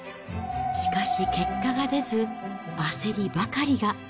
しかし、結果が出ず、焦りばかりが。